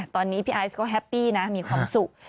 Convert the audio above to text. ตอนนี้พี่ไอซ์ก็แฮปปี้นะมีความสุข